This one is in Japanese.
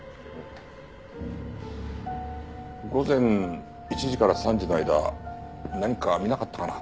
午前１時から３時の間何か見なかったかな？